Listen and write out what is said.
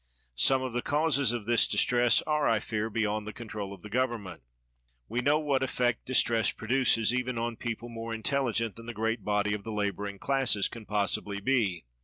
Some of the causes of this distress are, I fear, beyonc the control of the government. We know whai effect distress produces, even on people more intelligent than the great body of the laboring classes can possibly be.